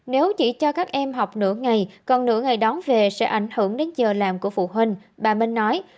nếu chỉ cho các em học nửa ngày còn nửa ngày đón về sẽ ảnh hưởng đến giờ làm của phụ huynh bà minh nói